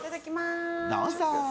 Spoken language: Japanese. どうぞ。